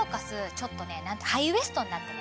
ちょっとね何かハイウエストになってね